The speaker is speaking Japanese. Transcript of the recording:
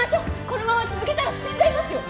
このまま続けたら死んじゃいますよ！